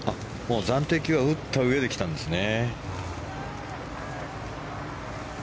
暫定球は打ったうえで来たんですね。